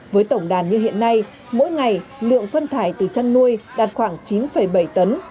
với tổng đàn như hiện nay mỗi ngày lượng phân thải từ chăn nuôi đạt khoảng chín bảy tấn